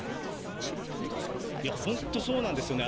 本当そうなんですよね。